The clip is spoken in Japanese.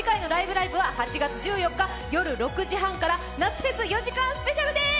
ライブ！」は８月１４日夜６時半から夏フェス４時間半スペシャルです。